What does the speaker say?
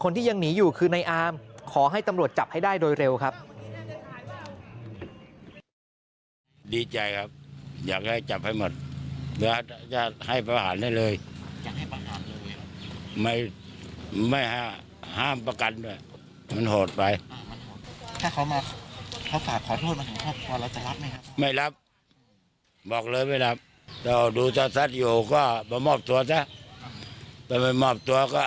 ที่ยังหนีอยู่คือในอามขอให้ตำรวจจับให้ได้โดยเร็วครับ